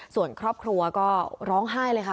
ส่วนครอบครัวก็ร้องไห้เลยค่ะ